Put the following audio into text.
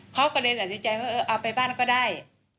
เขาก็เลยสังสิทธิ์ใจว่าเออเอาไปบ้านก็ได้